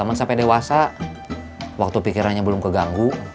masih gak pernah kebijakan